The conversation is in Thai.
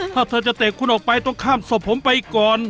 ถ้าเธอจะเตะคุณออกไปต้องข้ามศพผมไปก่อน